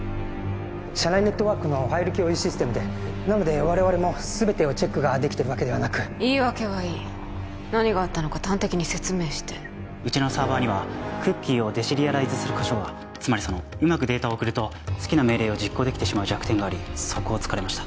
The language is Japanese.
社内ネットワークのファイル共有システムでなので我々も全てをチェックができてるわけではなく言い訳はいい何があったのか端的に説明してうちのサーバーにはＣｏｏｋｉｅをデシリアライズする箇所はつまりそのうまくデータを送ると好きな命令を実行できてしまう弱点がありそこをつかれました